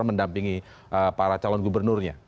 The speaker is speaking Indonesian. mendampingi para calon gubernurnya